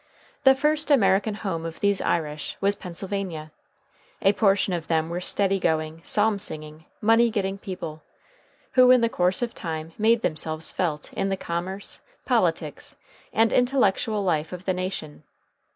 The first American home of these Irish was Pennsylvania. A portion of them were steady going, psalm singing, money getting people, who in course of time made themselves felt in the commerce, politics, and intellectual life of the nation.